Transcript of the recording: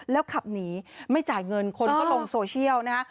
แล้วขับหนีไม่จ่ายเงินคนก็ลงโซเชียลนะฮะ